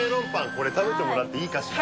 これ食べてもらっていいかしら？